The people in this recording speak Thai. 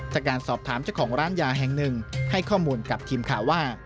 จากการสอบถามเจ้าของร้านยาแห่งหนึ่งให้ข้อมูลกับทีมข่าวว่า